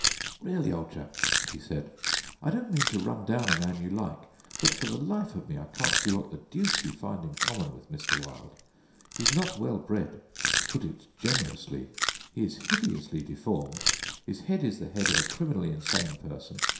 "Really, old chap," he said, "I don't mean to run down a man you like, but for the life of me I can't see what the deuce you find in common with Mr. Wilde. He's not well bred, to put it generously; he is hideously deformed; his head is the head of a criminally insane person.